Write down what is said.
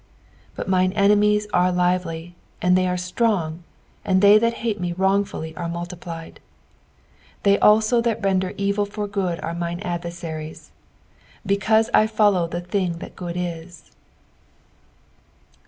19 But mine enemies are lively, and they are strong : and thq' that hate me wrongfully are multiplied. 20 They also that render evil for good are mine adversaries ; be cause I follow the thing that good is.